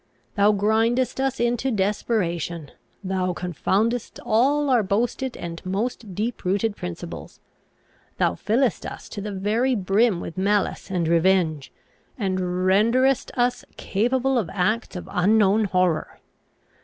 Thou grindest us into desperation; thou confoundest all our boasted and most deep rooted principles; thou fillest us to the very brim with malice and revenge, and renderest us capable of acts of unknown horror!